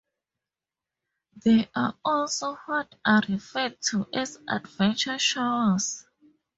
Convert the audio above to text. There are also what are referred to as "adventure showers".